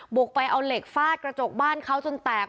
กไปเอาเหล็กฟาดกระจกบ้านเขาจนแตก